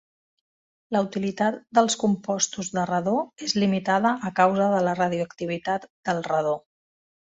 La utilitat dels compostos de radó és limitada a causa de la radioactivitat del radó.